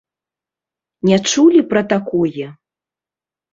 Не чулі пра такое?